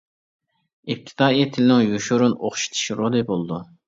ئىپتىدائىي تىلنىڭ يوشۇرۇن ئوخشىتىش رولى بولىدۇ.